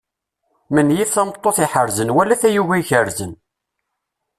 Menyif tameṭṭut iḥerzen wala tayuga ikerzen.